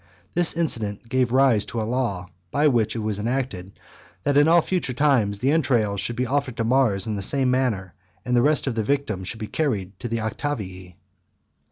This incident gave rise to a law, by which it was enacted, that in all future times the entrails should be offered to Mars in the same manner; and the rest of the victim be carried to the Octavii. II.